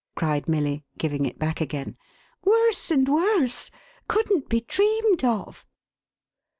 cried Milly, giving it back again. " Worse and worse ! Couldn't be dreamed of